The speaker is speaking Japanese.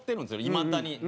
いまだに。